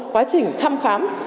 quá trình thăm khám